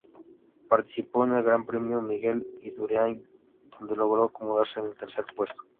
Participó en el Gran Premio Miguel Indurain, donde logró acomodarse en el tercer puesto.